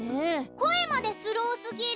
こえまでスローすぎる。